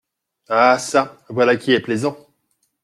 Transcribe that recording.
Ah çà ! voilà qui est plaisant !…